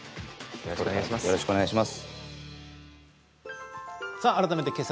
よろしくお願いします。